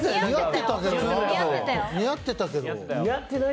似合ってたけどな。